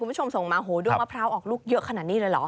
คุณผู้ชมส่งมาโหด้วงมะพร้าวออกลูกเยอะขนาดนี้เลยเหรอ